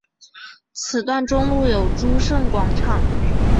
此路中段有诸圣广场。